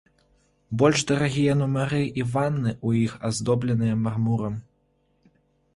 Больш дарагія нумары і ванны ў іх аздобленыя мармурам.